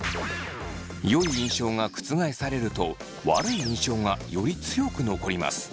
よい印象が覆されると悪い印象がより強く残ります。